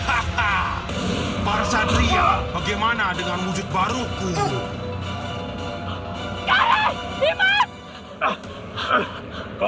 perkembanganmu akan bisa diulangi sejak beruf sembilan puluh delapan tahunan